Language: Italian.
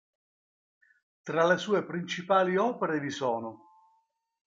Tra le sue principali opere vi sono;